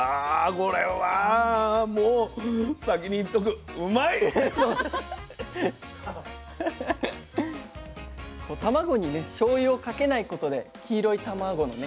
こう卵にねしょうゆをかけないことで黄色い卵のね